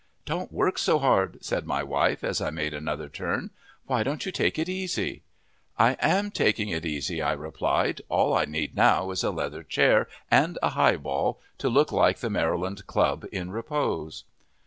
"Don't work so hard," said my wife, as I made another turn. "Why don't you take it easy?" "I am taking it easy," I replied. "All I need now is a leather chair and a highball to look like the Maryland Club in repose!"